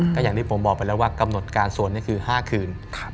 ก็อย่างที่ผมบอกไปแล้วว่ากำหนดการสวดนี่คือ๕คืน